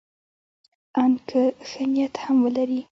ان که ښه نیت هم ولري.